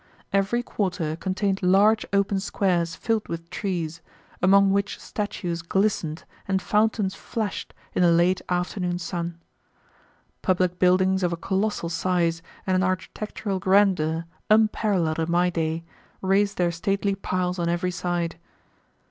Every quarter contained large open squares filled with trees, among which statues glistened and fountains flashed in the late afternoon sun. Public buildings of a colossal size and an architectural grandeur unparalleled in my day raised their stately piles on every side.